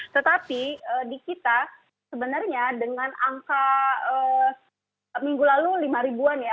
tetapi di kita sebenarnya dengan angka minggu lalu lima ribuan ya